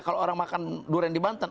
kalau orang makan durian di banten